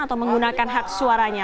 atau menggunakan hak suaranya